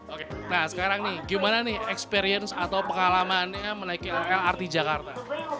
oke nah sekarang nih gimana nih experience atau pengalamannya menaiki lrt jakarta